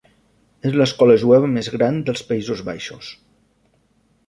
És l'escola jueva més gran dels Països Baixos.